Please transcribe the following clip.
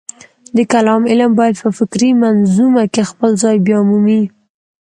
د کلام علم باید په فکري منظومه کې خپل ځای بیامومي.